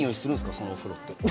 そのお風呂って。